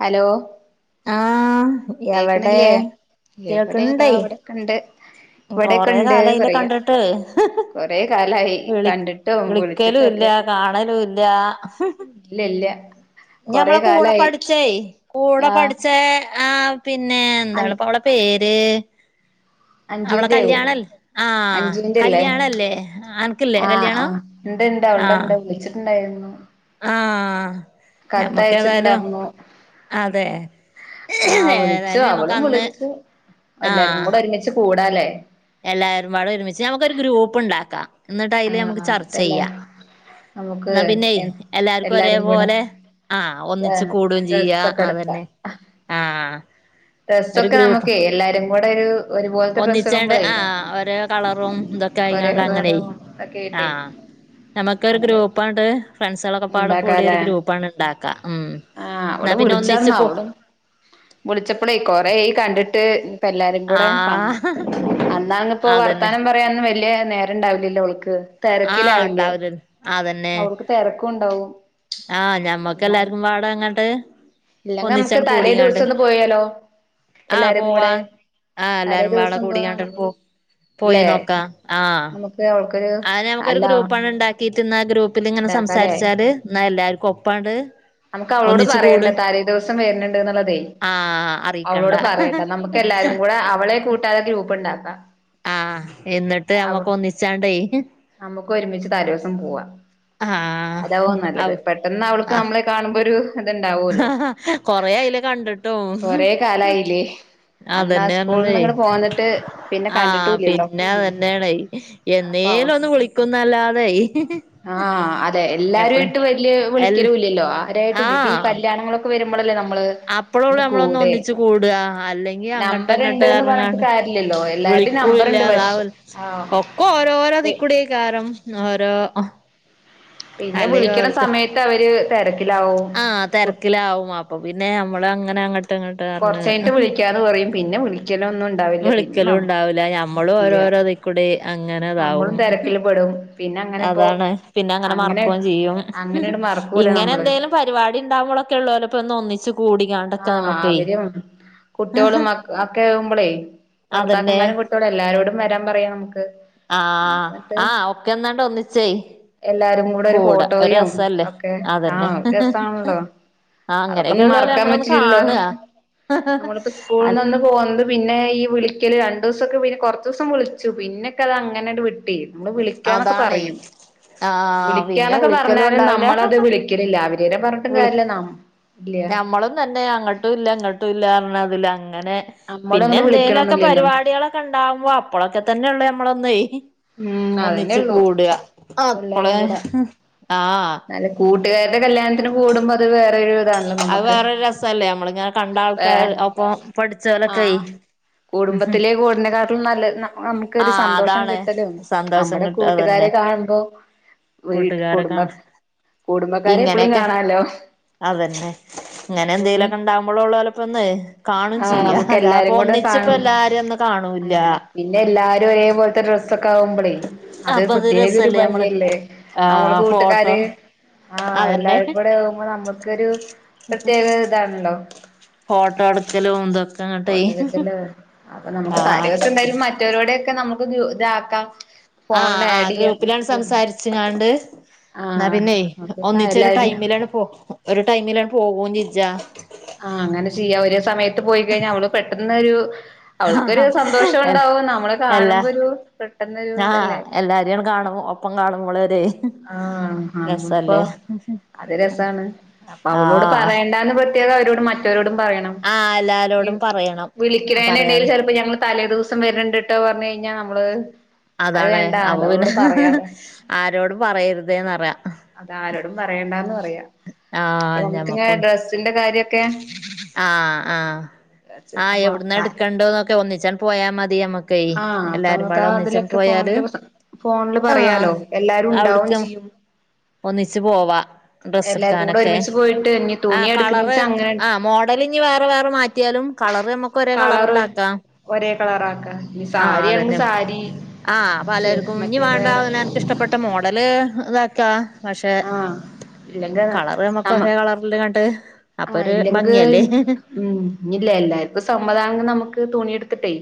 Hello ആഹ് എവടേ കേക്കണില്ലേ എവിടെ കേൾക്ക്ണ് താ ണ്ടെ. ഇവിടെക്കെണ്ട് കൊറേ ഇവിടെക്കെണ്ട് കാലായ്ലെ പറയാ കണ്ട്ട്ട്. കൊറെ കാലായി വിളി കണ്ടിട്ടും വിളിച്ചിട്ടും വിളിക്കലൂല്ലാ കാണലൂല്ലാ. ഇല്ലല്ല. ഇഞ്ഞി ഞമ്മളെ കൂട പഠ്ച്ചേ കൂടെ ആഹ് പഠ്ച്ചാ ആഹ് പിന്നെ അൻ എന്താണ്പ്പ അവളെ പേര് അവളെ അഞ്ജുന്റെവും കല്യാണല്ല് ആഹ് അഞ്ജുവിന്റെല്ലേ കല്യാണല്ലേ അനക്ക്ല്ലെ കല്യാണം ഇണ്ട്ണ്ട് ആഹ് അവൾടണ്ട് വിളിച്ചിട്ട്ണ്ടായ്രുന്നു ആഹ് ഞമ്മക്കേതായലും കത്തയച്ചിട്ടുണ്ടായിരുന്നു അതേ ആഹാ വിൾച്ചു അവളും വിളിച്ചു എല്ലാർക്കു കുട ആഹ് ഒരുമിച്ച് കൂടാലെ എല്ലാരുംപാടെ ഒരുമിച്ച് ഞമ്മക്കൊരു ഗ്രൂപ്പ് ഇണ്ടാക്ക ഇന്നിട്ട് അയില് ഞമ്മക്ക് ആഹ് എന്നിട്ടല്ലേ ചർച്ചെയ്യ നമുക്ക് ഇന്ന പിന്നെയ് എല്ലാർക്കു ഒരേ എല്ലാരും കൂടെ പോലെ ആഹ് ഒന്നിച്ച് കൂടും ചിയ്യാ ഡ്രസ്സൊക്കെ അതെന്നെ ഡ്രെസ്സൊക്ക ഗ്രൂപ്പ് നമ്മക്കെ എല്ലാരു കൂട ഒരൂ ഒന്നിച്ചാണ്ട് ആഹ് ഒരേ കളറും കൊറേ ഇതൊക്കായിങ്ങാണ്ട് അങ്ങനെ കളറും ഒക്കെ ആയിട്ടേ ആഹ് ഞമക്ക് ഒരു അങ്ങനെ ഗ്രൂപ്പണ്ട് ഫ്രണ്ട്സുകളൊക്കെ പാട കൂടിയൊ ഇണ്ടാക്കാലേ ഒരു ഗ്രൂപ്പാണ് ഉണ്ടാക്കുക ഉം ആഹ് എന്നാ അവള് പിന്നെ ഒന്നിച്ച് വിളിച്ചാർന്നു പോ അവളും വിളിച്ചപ്പളേ കൊറെയി കണ്ടിട്ട് ഉം ഇപ്പ എല്ലാരും കൂടെ പ്പം ആഹ് അന്നാ അങ്ങ് ഇപ്പോ അതന്നെ വർത്താനം പറയാന്ന് വലിയ നേ രണ്ടാവില്ലല്ലോ ഓൾക്ക് ആഹ് തിരക്കിലാവില്ലേ ഉണ്ടാവൂലേ അതന്നെ തിരക്കും ഉണ്ടാവും ആഹ് ഞമ്മക്ക് എല്ലാർക്കും പാട അങ്ങട്ട് ഇല്ലെങ്ക നമുക്ക് ഒന്നിച്ചാണ് തലേ കൂടിങ്ങാണ്ട് ദിവസം ഒന്ന് പോയാലോ ആഹ് എല്ലാരും പോവാ കൂടെ ആഹ് തലേ എല്ലാരും വാള ദിവസം കൂടിയാണ്ട് പോവാ പോ പോയി ല്ലേ നോക്കാം ആഹ് നമുക്ക് ഓൾക്കൊരു അത് നമുക്കൊരു ഗ്രൂപ്പാണ് ഉണ്ടാക്കിട്ട് ഇന്ന ഗ്രൂപ്പിൽ ഇങ്ങനെ ഉണ്ടാക്കാല്ലേ സംസാരിച്ചാല് എന്നാ എല്ലാവർക്കും ഒപ്പണ്ട് നമുക്ക് അവളോട് പറയേണ്ട താലേ ദിവസം വരുന്നുണ്ട് എന്നുള്ളതേ ആഹ് അറിയിക്കണ്ട അവളോട് പറയണ്ട നമുക്ക് എല്ലാരും കൂടെ അവളെ കൂട്ടാതെ ഗ്രൂപ്പ് ഉണ്ടാക്കാം ആഹ് എന്നിട്ട് അവ നമ്മക്ക് ഒന്നിച്ചാണ്ടേ നമുക്ക് ഒരുമിച്ച് തലേവസം പോവാ ആഹ് അതാവോ അവ നല്ലത് പെട്ടെന്ന് അവൾക്ക് നമ്മളെ കാണുമ്പോ ഒരു ഇത്ണ്ടാവുല്ലോ കൊറെ അയീലെ കണ്ടി കൊറെ കാലായില്ലേ അന്ന് ആ അതന്നെയറഞ്ഞതേ സ്കൂളിൽന്ന് ഇങ്ങട് പോന്നിട്ട് പിന്നെ ആഹ് കണ്ടിട്ടൂല്ലല്ലോ പിന്നെ അതന്നെയണേ അപ്പൊ അവൾ എന്നേലും ഒ ന്ന് വിളിക്കുന്നല്ലാതെ ആഹ് അതെ എല്ലാരു എപ്പള് ആയിട്ട് വല്യ എൽ വിളിക്കലുംല്ലല്ലോ ആരായിട്ടും ഇപ്പൊ ഈ കല്യാണങ്ങളൊ ക്കെ വരുമ്പോളല്ലേ നമ്മള് അപ്പഴ ഉള്ള് നമ്മളൊ ഒന്ന് ഒന്നിച്ച് കൂടുക അല്ലെങ്കി അങ്ങോട്ട നമ്പർ അങ്ങോട്ട് ഉണ്ട്ന്ന് പറഞ്ഞിട്ട് ർഞ്ഞ്കാണ്ട് കാര്യല്ലല്ലോ എല്ലാരുടെയും വിളിക്കൂല്ല നമ്പറുണ്ട് താവ പക്ഷെ ആഹ് ഒക്ക ഓരോരോത്ക്കൂടി കാരം ഓരോ പിന്നെ അല്ലെങ്കി വിളിക്കണ ഓരോരുത്ത സമയത്ത് അവര് തിരക്കിലാവും ക്കിലവും അപ്പ പിന്നെ നമ്മള് അങ്ങനെ അങ്ങ ട്ടങ്ങാട്ട് ർഞ്ഞ് കൊറച്ച് കഴിഞ്ഞിട്ട് വിളിക്കാന്ന് പറയും പിന്നെ വിളിക്കലൊന്നും ഉണ്ടാവില്ല പിന്നെ ന വിളിക്കലും ഉണ്ടാവില്ല ഞമ്മളും ഇല്ല ഓരോരോ ദി കുടെ നമ്മളും അങ്ങനെതാവും തിരക്കിൽ പെടും പിന്നെ അങ്ങനെ ഇപ്പോ അതാണ് പിന്നെങ്ങനെ അങ്ങനെ മർക്കും ചെയ്യും അങ്ങനെയട് മറക്കൂല ഇങ്ങനെ നമ്മള് എന്തേലും പരിപാടി ഉണ്ടാവുമ്പോളെക്കെ ഉള്ളൂ ഓലെക്കെ ഒന്നിച്ച് കൂടി ആഹ് അവരും കുട്ടികളും മക് ഒക്കെ ആവുമ്പോളേ അതന്നെ ഭർത്താക്കന്മാരും ക് [unintelligible] എല്ലാരോടും വരാൻ പറയാം നമുക്ക് ആഹ് നമുക്ക് എന്നിട്ട് ആഹ് ഒക്കെ ഒന്നാണ്ട് ഒന്നിച്ചേ എല്ലാരും കൂടെ ഒരു കൂടാ ഫോട്ടോയും രസല്ലേ ഒക്കെ അതന്നെ ആഹ് ഒരു രസാണല്ലോ ആഹ് അതൊക്ക അങ്ങനെയൊക്കെ ഒന്നും ഉള്ളോലെ മറക്കാൻ നമ്മളൊന്ന് പറ്റില്ലല്ലോ കാണാ നമ്മളിപ്പോ സ്കൂൾന്ന് ഒന്ന് പോന്നത് പിന്നെ ഈ വിളിക്കല് രണ്ടൂസൊക്കെ പിന്നെ കുറച്ച് ദിവസം വിളിച്ചു പിന്നെക്കെ അത് അങ്ങനെ അട് വി ട്ടേ നമ്മള് വിളിക്കന്നൊക്കെ അതാണേ പറയും ആഹ് പിന്നെ വിളിക്കന്നൊക്കെ വിളിക്കലും പറഞ്ഞാലും നമ്മളത് വിളി ക്കണില്ല വിളിക് ഞമ്മളും തന്നെ അങ്ങോട്ടും ഇല്ല അങ്ങോട്ടും ഇല്ല റഞ്ഞതില അങ്ങനെ നമ്മളും പിന്നെ അങ്ങട് എന്തേലുമൊക്കെ വിളിക്കണൊന്നില്ലല്ലോ പരിപാടികളൊക്കെ ഉണ്ടാവുമ്പോ അപ്പളൊക്കെ തന്നെയുള്ളു നമ്മളൊന്നെ ഉം അതന്നെ ഒന്നിച്ച് ഉള്ളൂ കൂടുക അപ്പളെ എല്ലാരും കൂടെ ആഹ് നല്ല കൂട്ടുകാരുടെ കല്യാണത്തിന് കൂടുമ്പോ അത് വേറെരു ഇതാ അത് വേറൊരു രസല്ലേ നമ്മളിങ്ങനെ കണ്ട ഏഹ് ആൾക്കാര് ഒപ്പം പഠിച്ചോലൊക്കെയ് ആഹ് കുടുംബത്തിലെ കൂടിനക്കാട്ടിലും നല്ല ന നമുക്കൊരു ആഹ് സന്തോഷം കി അതാണ് ക്കലും സന്തോഷം നമ്മടെ കിട്ടുക കൂട്ടുകാരെ തന്നെ കാണുമ്പോ വീ കൂട്ടുകാരെ കുടുംബ കാ കുടുംബക്കാരെ എപ്പഴും ഇങ്ങനെയൊക്കെ കാണാല്ലോ ഇപ്പൊ നമ്മളള്ളോലപ്പന്ന് കാണും ചെയ്യാ അല്ലാതെപ്പൊ എല്ലാരും കൂടെ ഒന്നിച്ചപ്പ കാണും എല്ലാരും ഒന്ന് കാണൂല ആഹ് പിന്നെ എല്ലാരും ഒരേപോലത്തെ ഡ്രസ സൊക്കെ ആവുമ്പളേ അത് അപ്പൊ പ്രത്യേക ഒരു രസല്ലേ നമ്മള് ഭംഗിയല്ലേ നമ്മള് ആഹ് ഫോട്ടോ കൂട്ടുകാര് ആഹ് അതന്നെ എല്ലാരും കൂടെ ആകുമ്പോ നമ്മക്കൊരു പ്രത്യേക ഇതാണല്ലോ. ഫോട്ടോട്ക്കലും ഇതൊ ഫോട്ടോ എട്ക്കലും അപ്പൊ നമുക്ക് തലെ ആഹ് ദിവസം എന്തായാലും മറ്റോരോടൊക്കെ നമുക്ക് ഇതാക്കാം. ആഹ് ഫോണിൽ ആഡ് ആഹ് ചെയ്യാം ഗ്രൂപ്പിലണ്ട് സംസാരിച്ച്ങ്ങാണ്ട് ന്നാ ആഹ് പിന്നെയ് നോക്കിപ്പ ഒന്നിച്ച് ഒരു എല്ലാരും ടൈമിലണ് പോ ഒരു ടൈമിലണ് പോകൂം ചെജ്ജാ. ആഹ് അങ്ങനെ ചെയ്യാം ഒരേ സമയത്ത് പോയി കഴിഞ്ഞാ അവള് പെട്ടെന്നൊരു അവൾക്കൊരു ആഹ് സന്തോഷം എൽ ഉണ്ടാവു നമ്മളെ എല്ലാ കാണുമ്പോ ഒരു പെട്ടെന്നൊരു ഇതല്ലേ. പ്പം കാണുമ്പൊളൊരെ ആഹ് നമ്മളിപ്പോ അത് രസാണ് അപ്പൊ അവളോട് ആഹ് പറയേണ്ടാന്ന് പ പ്രതേക അവരോടും മറ്റരോടും പറയണം ആഹ് ഈ എല്ലാരോടും പറയണം വിളിക്ക്ണെനിടയില് പറയാതെ ചെലപ്പോ ഞമ്മള് തലേ ദിവസ സം വരണ്ടിട്ടോ പറഞ്ഞു കഴിഞ്ഞാൽ നമ്മള് അത് അതാണ് വേണ്ട അപ്പൊ അത് പിന്നെ അവളോട് പറയാതെ ആരോടും പറയരുതേന്ന് പറയ അത ആരോടും പറയണ്ടാന്ന് പറയാ അപ്പൊ ആഹ് നമുക്കങ്ങെനെ ഞമ്മക്കൊന്ന് ഡ്രസ്സിന്റെ കാര്യൊക്കെ? ആഹ് ആഹ് ആഹ് അപ്പൊ എവിടുന്ന എടുക്കണ്ടന്നൊക്കെ ഒന്നിച്ചണ് പോയാ മതി നമ്മക് ക്കയ്. ആഹ് അപ്പൊ എല്ലാരും നമുക്ക് പാടെ ഒന്നിച്ചണ് അതിലൊക്കെ പോയാല് ഫോണില് ഫോണില് ആഹ് പറയാലോ എല്ലാരും ഉണ്ടാവും അവിട്ക്ക് ചെയ്യും ഒന്നിച്ച് പോവാ ഡ്രസ്സ് എല്ലാരും കൂടെ എടുക്കാനൊക്കെ ഒരുമിച്ച് പോയിട്ട് ഇനി തുണി ആഹ് എടുക്കണ കളറ് വെച്ചാ അങ്ങനെ ആ മോ ടലിഞ്ഞ് വേറെ വേറെ മാറ്റിയാലും കളറ് നമ്മക്ക് ഒരേ കളറ് കളറണ്ടാക്കാം. ഒരേ കളറാക്ക ഇനി ആഹ് സാരിയാണെങ്കി അതന്നെ സാരി ആഹ് പലർക്കും ഞ്ഞ് മറ്റേ മാണ്ട വേറെ അവനാൻകിഷ് ട്ടപ്പെട്ട മോഡല് ഇതാക്കാ പക്ഷെ ആഹ് ഇല്ലെങ്കി കളർ നമ്മക്ക് നമ്മ ഒരേ കളർലിങ്ങട്ട് അപ്പൊ ആഹ് ഒരു ഇല്ലെങ്ക് ഭംഗിയല്ലേ? ഉം ഇനി ഇല്ലെ എല്ലാർക്കും സമ്മധാണെങ്കി നമുക്ക് തുണി എടുത്തിട്ടേയ്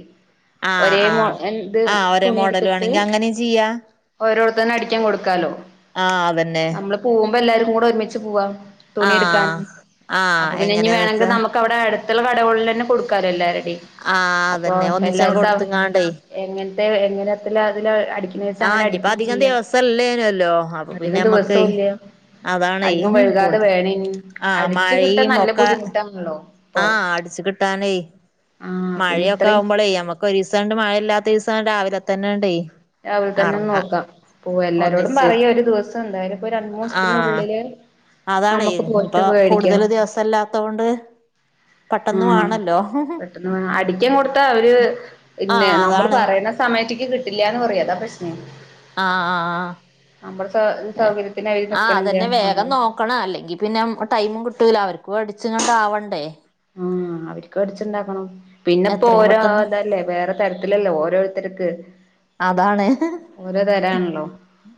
ആഹ് ഒരേ മൊ ആഹ് ന്ത് ആഹ് ഒരേ തുണി മോഡല് എടുത്തിട്ട് വേണെങ്കി അങ്ങനെയും ചെയ്യാ ഓരോത്തന്നെ അടിക്കാൻ കൊടുക്കാലോ? ആഹ് അതെ നമ്മള് പോവുമ്പോ എല്ലാവരും കൂടെ ഒരുമിച്ച് പോവാ തുണി എടുക്കാൻ ആഹ് ആഹ് അപ്പൊ പിന്നെ ഇഞ്ഞി എങ്ങനെയാന്ന് വേണങ്കി വെച്ചാ നമക് ക്കവിടെ അടുത്തുള്ള കടകളിൽ തന്നെ കൊടുക്കാല്ലോ എല്ലാരുടെം ആഹ് അതന്നെ ഒന്നിച്ചണ്ട് കൊടുത്ത്ങ്ങാണ്ടേയ് എങ്ങനത്തെ എങ്ങനത്തിലാ അതില അടി എങ്ങനെച്ച ആഹ് അങ്ങനെ ഇനിയിപ്പ അടിക്കയും അധികം ചെയ്യാം ദിവസല്ലേനല്ലോ അപ്പൊ പിന്നെ അധികം നമ്മക്ക് ദിവസോം ഇല്ല അതാണേ അധികം വൈകാതെ കൂടുതൽ വേണേൻ ആഹ് അടിച്ചു കിട്ടാൻ മഴയും നല്ല ഒക്കെ ബുദ്ധിമുട്ടാണല്ലോ? ഇപ്പൊ ആഹ് അടിച്ചു കിട്ടാനേയ് ആഹ് പിന്നെ മഴൊക്കെ ഇത്രയും ആവുമ്പോ ളെ നമക്ക് ഒരീസാണ്ട് മഴയില്ലാത്ത ദിവസം രാവിലെ തന്നെ ആണ്ടേ രാവിലെ തന്നെ നോക്കാം പോ എല്ലാരോടും ഒന്നിച്ച് പറയ ഒരു ദിവസം എന്തായാലും ഇപ്പൊരു രണ്ട് മൂന്നീസത്തിനുള്ളില് അതാണെയ് ഇനിപ്പൊ കൂടുതൽ ദിവസല്ലാത്തോണ്ട് പെട്ടെന്ന് മാണല്ലോ പെട്ടെന്ന് ആഹ് അടിക്കൻ കൊടുത്താ അവര് പിന്നെ ആഹ് നമ്മള് അതാണ് പറയുന്ന സമയത്തേക്ക് കി ട്ടില്ലാന്ന് പറയോ? അതാ പ്രശ്നം ആഹ് ആഹ് ആഹ് നമ്മുടെ സൗ സൗകര്യത്തിന് അവര് നിക്കണില്ലാ നമ്മള് [unintelligible] അല്ലെങ്കിൽ പിന്നെ ടൈമും കിട്ടൂല്ല അവർക്കും അടിച്ചിങ്ങണ്ട് ആവണ്ടേ അഹ് അവർക്കും അടിച്ചുണ്ടാക്കണം പിന്നെപ്പോ എത്രയും ഓരോ പെട്ടെന്ന് ഇതല്ലേ വേറെ തരത്തിലല്ലെ ഓരോരുത്തർക്ക് അതാണ് ഓരോ തരാണല്ലോ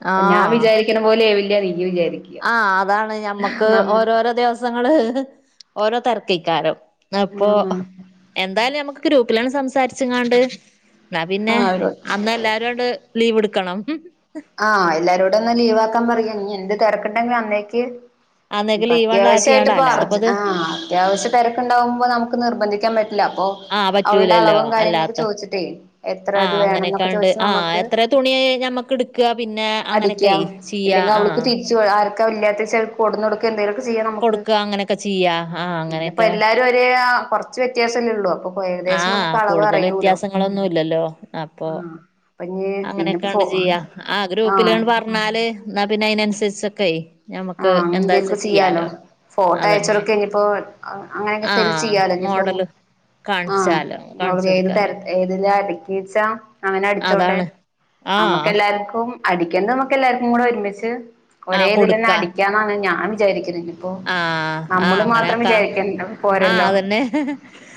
ഇപ്പൊ ഞാൻ ആഹ് വിചാരിക്കണ പോലെയാവില്ല നീയ് വിചാരിക്ക ആഹ് അതാണ് ഞമ്മക്ക് ഓരോരോ ദിവസങ്ങള് ഓരോ തിരക്കയിക്കാരം അപ്പൊ ആഹ് എന്തായാലും നമുക്ക് ഗ്രൂപ്പിലണ് സംസാ രിച്ചിങ്ങാണ്ട് എന്നാ പിന്നെ ആഹ് അവരോട് അന്ന് എല്ലാരുങ്ങട് ലീവ് എടുക്കണം ആഹ് എല്ലാവരോടും അന്ന് ലീവാക്കാൻ പറയ ഇനി എന്ത് തെരക്കുണ്ടെങ്കിലും അന്നേക്ക് അന്നേക്ക് ഇനിപ്പം ലീവാണ്ട് അത്യാവശ്യായിട്ട് ആക്കിയാണ്ട ഇപ്പ അർജ അല്ലാതെപ്പത് ആ അത്യാവശ്യം തിരക്കുണ്ടാവുമ്പോ നമുക്ക് നിർബന്ധിക്കാൻ പറ്റില്ല അപ്പൊ ആഹ് അവളുടെ പറ്റൂലല്ലോ അളവും കാര്യങ്ങളൊക്കെ അല്ലാത്ത ചോദിച്ചിട്ടേ എത്ര ഇത് വേണം എന്നൊക്കെ ചോദിച്ച് നമുക്ക് തുണിയെ ഞമ്മക്ക് എടുക്കുക പിന്നെ അങ്ങനെയൊക്കെയ് ചെയ്യാ ആഹ് ആർക്കോല്ല്യാത്ത ചെല കൊണ്ടുന്നു കൊടുക്കേ എന്തെലുമൊക്കെ ചെയ്യണം നമുക്ക് കൊടുക്ക അങ്ങനെയൊക്കെ ചെയ്യാ ആ പിന്നിപ്പോ അങ്ങനെയൊക്കെ എല്ലാരും ഒര് കുറ ച്ചു വ്യത്യാസല്ലെയുള്ളൂ അപ്പൊ ഏകദേശം ആഹ് നമുക്ക് അളവ് കൂടുതൽ അറിയൂലോ വ്യത്യാസങ്ങളൊന്നുല്ലല്ലോ അപ്പൊ ആഹ് അപ്പൊ ഇനി പിന്നെപ്പോ ഫോ അങ്ങനെയൊക്കെയാണ്ട് ചെയ്യാ ആഹ് ഗ്രൂപ്പിലേണ് പറഞ്ഞാല് എന്നാ പിന്നെ അതിനനുസരിച്ചൊക്കേ ഞമ്മക്ക് ആഹ് അങ്ങനെ എന്താച്ചാ എന്തേലൊക്കെ ചെയ്യാലോ ഫോട്ടോ അതന്നെ അയച്ചോടുക്കെ ഇനിയിപ്പോ അങ്ങനൊക്കേ ആ തന്നെ ചെയ്യാലോ ഇനിയിപ്പോ മോഡല് കാണിച്ചാലോ ആഹ് കാണിച്ചു ഏത് തര കൊടുക്കാലോ ഏത് ജാതിക്കേച്ച അങ്ങനെ അടിച്ചോട്ടെ അതാണ് ആ നമ്മക്കെല്ലാർക്കും അടിക്കേണ്ടത് നമുക്ക് എല്ലാവർക്കും കൂടെ ഒരുമിച്ച് ആ ഒരേ ഇതിൽ തന്നെ അടിക്കാ എന്നൊന്നും ഞാൻ വിചാരിക്കുന്നില്ല ആഹ് ആഹ് അങ്ങനാക്കാ ആഹ് പോരല്ലോ അതന്നെ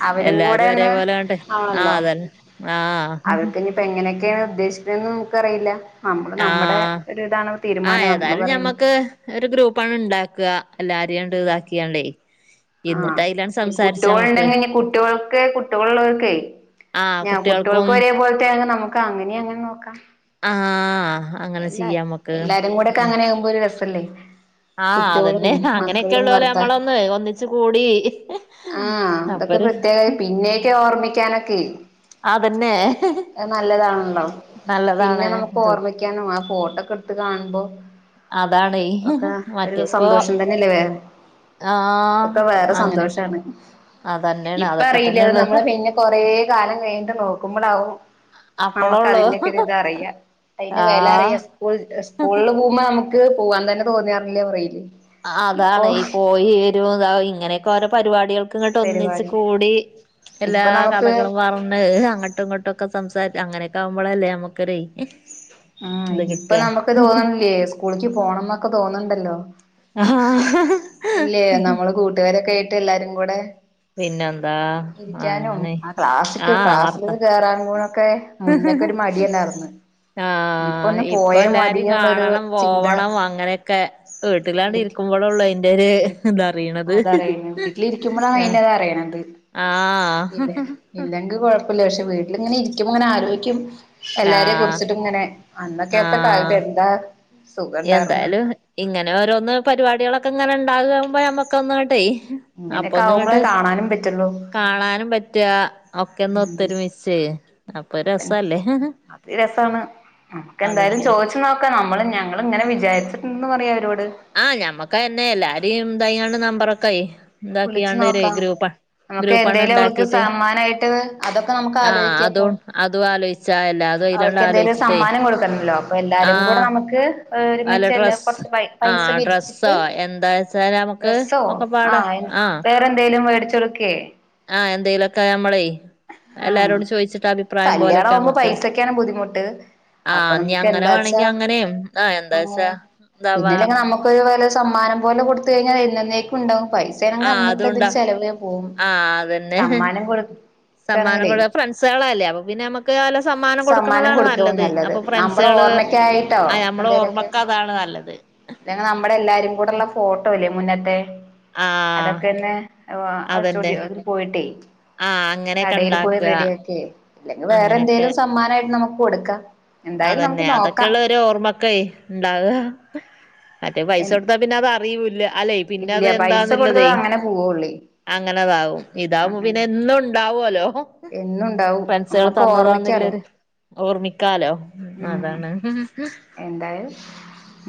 അവരും കൂടെ എല്ലാരും ഒന്ന് ഒരേപോലെ വേണ്ടേ ആഹ് അതന്നെ ആഹ് ഇപ്പൊ എങ്ങനെയൊക്കെയാണ് ഉദ്ദേശിക്കുന്നത് എന്ന് നമുക്കറിയില്ല നമ്മള് നമ്മുടെ ആഹ് ഒരു ഇതാണ് ആഹ് തീരുമാനം നമ്മള് ഏതായാലും പറയുന്നത് ഞമ്മക്ക് ഒരു ഗ്രൂപ്പാണ് ഉണ്ടാക്കുക എല്ലാരെയാണ്ട് ഇതാക്കിയാണ്ടേ എന്നിട്ട് അയിലാണ് ആഹ് സംസാരിച്ചാ നമ്മക്ക് കുട്ടിയോളുണ്ടെങ്കി ഇനി കുട്ടിയൊൾക്കേ കുട്ടികൾ ഉള്ളോർക്കേ ആഹ് ഞാ കുട്ടികൾക്ക് കുട്ടികൾക്കും ഒരേ പോലത്തെ ആണെങ്കിൽ നമുക്ക് അങ്ങനയെ അങ്ങ് നോക്കാം ആഹ് അങ്ങനെ ചെയ്യാമക്ക് മ്പോ, രസല്ലേ? ആഹ് അതന്നെ കുട്ടികളും മക്കളും അങ്ങനെയൊക്കൊള്ളോലെ ഭർത്താ നമ്മളൊന്ന് ഒന്നിച്ച് കൂടി ആഹ്‌, തൊക്കെ അപ്പൊര് പ്രത്യേക പിന്നെ ക്കെ ഓർമ്മിക്കാനൊക്കെ. അതന്നെ അഹ്, നല്ലതാൺല്ലോ? പിന്നെ നല്ലതാണ് നമുക്ക് എന്തോ ഓർമി.... ക്കനോ ആ, ഫോട്ടോ ഒക്കെ ടുത്ത് കാണുമ്പോ? അതാണേ ഒക്ക, ഒരു മറ്റേപ്പോ സന്തോഷം തന്നെയല്ലേ വേറെ അതൊക്ക വേറെ സന്തോഷാണ്. അതന്നെ ഇപ്പ അറീല്ല. അത് നമ്മള് പിന്നെ കൊറേ കാലം കഴിഞ്ഞിട്ട് നോക്കുമ്പളാവും. നമുക്ക് അപ്പളള്ളൂ അതിന്റെ ഒക്കെ ഇത് അറിയാ, അതിന്റെ വില ആഹ് അറിയാ. സ്കൂ സ്കൂളിൽ പോ മ്മ, നമക്ക് പോവാൻ തന്നെ തോന്നിയാറില്ല പറയില്യേ? അ, ആഹ്, അതാണ്. ഈ പോയി വരു താ, ഇങ്ങനെയൊക്കെ ഓരോ പരിവാ ടികൾ. ക്കങ്ങട്ട് ഒന്നിച്ച് പരിപാടി കൂടി എല്ലാ ഇപ്പൊ നമുക്ക് കഥകളും വ ണ്, അഹ്‌, അങ്ങട്ടു ഇങ്ങട്ടു ക്കെ, സംസാരി അങ്ങനക്ക ആവുമ്പോളല്ലേ? നമ്മക് ഒരയ്. ആഹ്‌, ഇപ്പ നമക്ക് തോന്നണില്യേ, സ്കൂളിക്ക് പോണം ന്നൊക്ക തോന്നണ്ടല്ലോ? ആഹാ, ഹ, ഹ് ഇല്ലേ, നമ്മള് കൂട്ടുകാരൊക്കെ ആയിട്ട് എല്ലാരും കൂടെ പിന്നെ, ന്താ, അഹ്‌ ന, ഇരിക്കാനും നെ ആ ക്ലാസ്സിക്ക് ആഹ്‌, വർത്ത ക്ലാസ്സില് കേറാൻ കൂടൊക്കെ മുന്നൊക്കെ ഒരു മടിയല്ലായിരുന്ന് [inaudible] ആഹ്‌, ഒന്ന് ഇപ്പൊ പോയാ എല്ലാരിം മതിയെന്നുള്ളൊരു കാണണം ചിന്ത പോവണം അങ്ങനെ ക്കെ. വീട്ടിലാണ്ടിര് വീട്ടിൽ ക്കും. വളുള്ള അയ്ന്റ രു തറിയണത്. അതറിയണ വീട്ടിലിരിക്കുമ്പോഴാണ് ആഹ്‌ അതിന്റെത് അറിയണത് ആഹ് ഇല്ല ഇല്ലെങ്കിൽ കുഴപ്പമില്ല പക്ഷെ വീട്ടിലിങ്ങനെ ഇരിക്കുമ്പോ അങ്ങനെ ആലോചിക്കും എല്ലാരെയും ആഹ് കുറിച്ചിട്ട് ഇങ്ങനെ അന്നൊക്കെയാത്ത കാലത്ത് ആഹ് എന്താ സുഖം ഉണ്ടായിർന്ന് എന്തായാലും ഇങ്ങനെ ഓരോന്ന് പരിപാടികളൊക്കെ ഇങ്ങനെ ഉണ്ടാകുമ്പോ ഞമ്മക്ക് ഒന്നങ്ങോട്ടെ അങ്ങോട്ടെ അപ്പൊ ഇങ്ങനെയൊക്കെ ആവുമ്പോളേ ഒന്നിങ്ങോട്ട് കാണാനും പറ്റുള്ളൂ കാണാനും പറ്റുക ഒക്കെ ഒന്ന് ഉം ഒത്തൊരുമിച്ചേ അപ്പൊ അതന്നെ രസല്ലേ അത് രസമാണ് നമുക്ക് എന്തായാലും അതന്നെ ചോദിച്ച് നോ ക്കെ നമ്മള് ഞങ്ങള് ഇങ്ങനെ വിചാരിച്ചിട്ടുണ്ടന്ന് പറയാ അവരോട് ആഹ് ഞമ്മക്ക് അയിന്നെ എല്ലാരെയും ഇതായോണ്ട് നമ്പറൊക്കെയെ വിളിച്ചു എന്താക്കിയാണ്ട് നോക്കാം ഗ്രൂപ്പ നമുക്ക് ഗ്രൂപ്പാണ് എന്തേലും അവൾക്ക് ഇണ്ടാക്കിട്ട് സമ്മാനമായിട്ട് അതൊക്കെ നമുക്ക് ആഹ് ആലോചിക്കാം അപ്പൊ അതും അതും ആലോചിച്ചാ എല്ലാർക്കും അവൾക്ക് എന്തേലും സമ്മാനം കൊടുക്കണല്ലോ അപ്പൊ എല്ലാരും കൂടെ ആഹ് നമുക്ക് അല്ല ഒരുമിച്ച് എല്ലാ ഡ്രസ്സ് കുറച്ച് പൈ പൈസ ആഹ് ഡ്രസ്സോ പിരിച്ചിട്ട് എന്താച്ചാല് നമുക്ക് ഡ്രെസോ ഒക്കെപ്പാടെ ആഹ് വേറെ എന്തേലും മേടിച്ചു കൊടു ഓക്കെ ആഹ് എന്തേലുവൊക്കെ നമ്മളെ എല്ലാരോടും ചോദിച്ചിട്ട് അഭിപ്രായം പോലെയൊക്കെ അ ഇപ്പൊ പൈസക്കാണ് ബുദ്ധിമുട്ട് അപ്പൊ ഇഞ്ഞി നമുക്ക് അങ്ങനെ എന്താച്ചാ വേണെങ്കി അങ്ങനെയും ആഹ് അങ്ങനെ എന്താച്ചാ എന്താവാ പിന്നില്ലെങ്കി നമ്മുക്ക് സമ്മാനം പോലെ കൊടുത്ത് കഴിഞ്ഞാൽ എന്നന്നേക്കും ഉണ്ടാവും പൈ സയണെങ്കി ആഹ് അന്നത്തെ ഇതിൽ അതുണ്ടാ ചെലവേ പോവും ആഹ് അതന്നെ സമ്മാനം കൊടുക്കയാണെങ്കിലേ സേള അല്ലേ അപ്പൊ പിന്നെ നമ്മക്ക് ക്ക് വല്ല സമ്മാനം കൊടുക്കുന്നതാണ് കൊടുക്കാവും നല്ലത് അപ്പൊ നമ്മുടെ ഫ്രണ്ട്സുകള് ഓർമ്മക്കായിട്ടോ നമ്മള് ഓർമ്മക്ക് അതാണ് നല്ലത് അല്ലെ നമ്മടെ എല്ലാരും കൂടെയൊള്ള ഫോട്ടോ ഇല്ലേ മുന്നത്തെ ആഹ് അതൊക്കെയൊന്ന് അതന്നെ സ്റ്റുഡിയോന്ന് പോയിട്ടേ ആഹ് അങ്ങനെയൊക്കെ കടേൽ പോയി ഉണ്ടാക്കുക റെഡി ആക്കിയേ ഇല്ലെങ്കിൽ വേറെ അങ്ങനെയൊക്കെ എന്തേലും സമ്മാനവായിട്ട് നമുക്ക് കൊടുക്കാം എന്തായാലും നമുക്ക് നോക്കാം എന്റെ ഓർമ്മക്കായി ഉണ്ടാവുക മറ്റേ പൈസ കൊടുത്താ പിന്നെ അത് അറിയൂല്ല അല്ലെ പിന്നെ ഇല്ല പൈസ കൊടുത്തത് അതന്താന്നുള്ളതേ അങ്ങനെ പോവുള്ളേ അങ്ങനെതാവും ഇതാവുമ്പൊ പിന്നെ അങ്ങനെതാ എന്നും ഉണ്ടാവൂല്ലോ എന്നുണ്ടാവും ഫ്രണ്ട്സുകള് നമ്മക്ക് ഓർമ്മിക്കാലോ തന്നതാണെന്നുള്ളൊരു ഓർമിക്കാലോ ഉം അതാണ് എന്തായാലും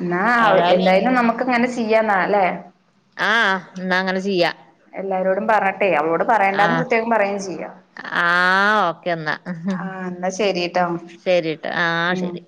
എന്ന ഏതായാലും എന്തായാലും നമുക്ക് ഇങ്ങനെ ചെയ്യാന്നാ അല്ലേ ആഹ് ന്നാ അങ്ങനെ ചെയ്യാ എല്ലാരോടും പറഞ്ഞട്ടെ അവളോട് പറയണ്ടാന്ന് ആഹ് പ്രത്യേകം പറയും ചെയ്യാം ആഹ് ഓക്കെ എന്നാ ആ എന്നാ ശരിട്ടോ ശരിട്ടാ ആഹ് ഉം ശരി